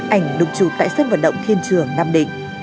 ảnh được chụp tại sân vận động thiên trường nam định